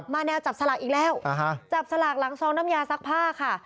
แนวจับสลากอีกแล้วจับสลากหลังซองน้ำยาซักผ้าค่ะ